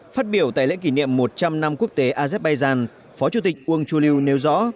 phát biểu tại lễ kỷ niệm một trăm linh năm quốc tế azerbaijan phó chủ tịch ung chuliu nêu rõ